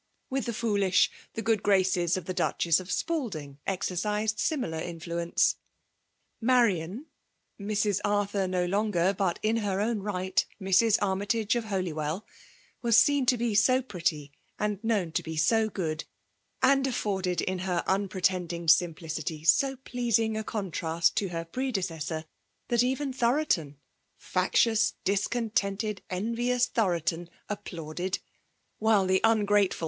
With the ft)olish, the good graces of the Duchess of Spalding exercised similar influence. Marian (Mrs. Arthur no longer, but, in her own right, Mrs. Armytage, of Holywell) was seen to be so pretty, and known to be so good, and afforded, in her unpretending simplicity, so pleasing a contrast to her predecessor, that even Thoroton — ^factious, discontented, envious Thoroton — applauded; while the ungrateful 318 FEMALE DOMINATION.